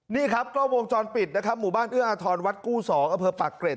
นี่ครับกล้องวงจรปิดนะครับหมู่บ้านเอื้ออาทรวัดกู้๒อเภอปากเกร็ด